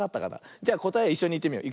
じゃこたえをいっしょにいってみよう。